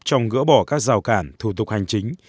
trong gỡ bỏ các rào cản thủ tục hành chính